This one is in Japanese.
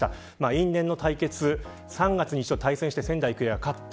因縁の対決、３月に１度対戦して仙台育英が勝った。